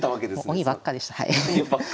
鬼ばっかでしたはい。